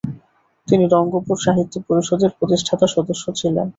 তিনি রঙ্গপুর সাহিত্য পরিষদের প্রতিষ্ঠাতা সদস্য ছিলেন।